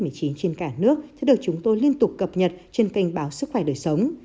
trong khi đó tỷ lệ tử vong trên cả nước sẽ được chúng tôi liên tục cập nhật trên kênh báo sức khỏe đời sống